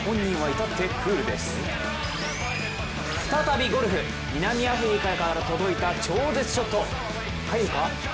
再びゴルフ、南アフリカから届いた超絶ショット。